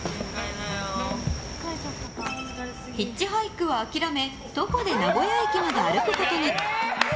ヒッチハイクは諦め徒歩で名古屋駅まで歩くことに。